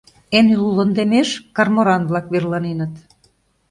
Эн ӱлыл лондемеш карморан-влак верланеныт.